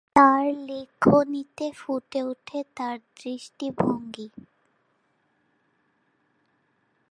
তার লেখনীতে ফুটে ওঠে তার দৃষ্টিভঙ্গি।